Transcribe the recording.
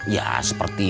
ya seperti itu